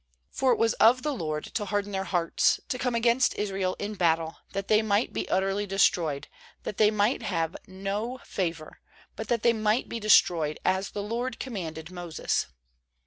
20For it was of the LORD to harden their hearts, to come against Israel in battle, that they might be utterly destroyed, that they might have no favour, but that they might be de stroyed, as the LORD commanded Moses.